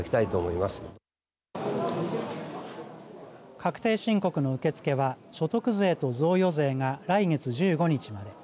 確定申告の受け付けは所得税と贈与税が来月１５日まで。